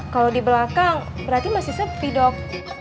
kalau di belakang berarti masih sepi dok